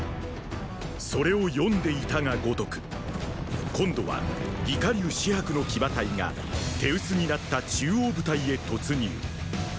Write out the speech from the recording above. それを読んでいたが如く今度は魏火龍紫伯の騎馬隊が手薄になった中央部隊へ突入。